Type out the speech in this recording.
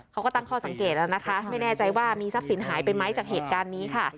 เขาก็ตั้งข้อสังเกตแล้วนะคะไม่แน่ใจว่ามีทรัพย์สินหายไปไหมจากเหตุการณ์นี้ค่ะ